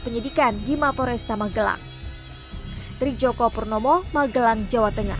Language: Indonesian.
penyidikan gima poresta magelang trik joko purnomo magelang jawa tengah